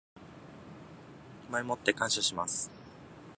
前もって感謝します